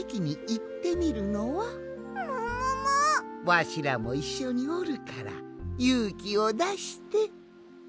わしらもいっしょにおるからゆうきをだして。